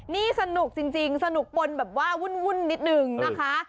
นี่สนุกจริงสนุกปนแบบว่าวุ่นนิดนึงนะคะ